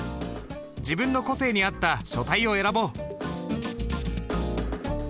自分の個性に合った書体を選ぼう。